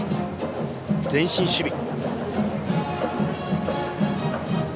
前進守備。